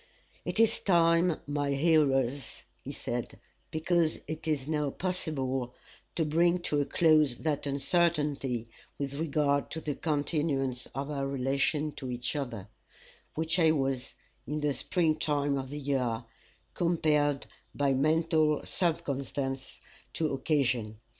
"It is time, my hearers," he said, "because it is now possible, to bring to a close that uncertainty with regard to the continuance of our relation to each other, which I was, in the spring time of the year, compelled by mental circumstance to occasion.